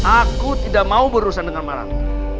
aku tidak mau berurusan dengan mak lampil